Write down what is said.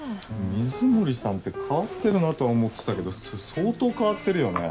水森さんって変わってるなとは思ってたけど相当変わってるよね。